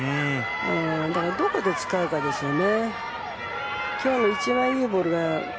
だから、どこで使うかですよね。